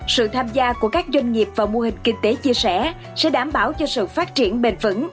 sự tham gia của các doanh nghiệp vào mô hình kinh tế chia sẻ sẽ đảm bảo cho sự phát triển bền vững